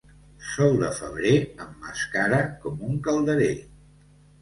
Sol de febrer emmascara com un calderer.